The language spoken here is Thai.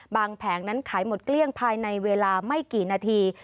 แผงนั้นขายหมดเกลี้ยงภายในเวลาไม่กี่นาที